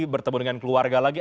bertemu dengan keluarga lagi